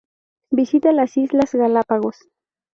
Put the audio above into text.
Visita las islas Galápagos.